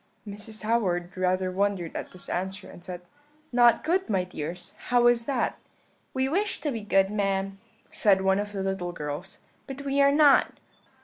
"Mrs. Howard rather wondered at this answer, and said: "'Not good, my dears, how is that?' "'We wish to be good, ma'am,' said one of the little girls, 'but we are not.'